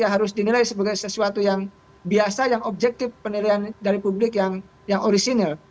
harus dinilai sebagai sesuatu yang biasa yang objektif penilaian dari publik yang orisinil